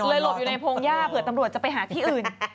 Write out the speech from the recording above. หลบอยู่ในพงหญ้าเผื่อตำรวจจะไปหาที่อื่น